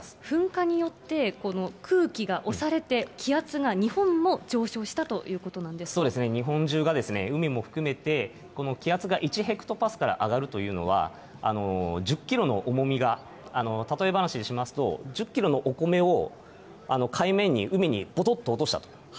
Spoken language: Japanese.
噴火によって空気が押されて、気圧が日本も上昇したということ日本中が海も含めて、気圧が１ヘクトパスカル上がるというのは、１０キロの重みが、例え話でしますと、１０キロのお米を海面に、海にぼとっと落したと。